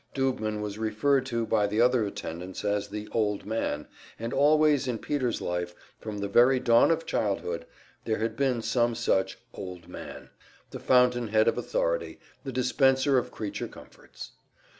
Doobman was referred to by the other attendants as the "Old Man"; and always in Peter's life, from the very dawn of childhood, there had been some such "Old Man," the fountain head of authority, the dispenser of creature comforts.